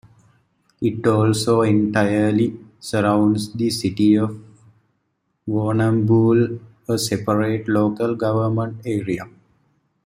It also entirely surrounds the City of Warrnambool, a separate local government area.